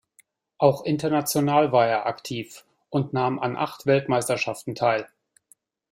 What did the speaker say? Auch international war er aktiv und nahm an acht Weltmeisterschaften teil.